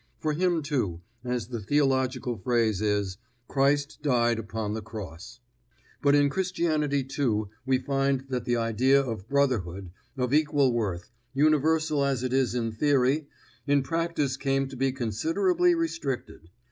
For him too as the theological phrase is Christ died upon the cross. But in Christianity too we find that the idea of brotherhood, of equal worth, universal as it is in theory, in practice came to be considerably restricted.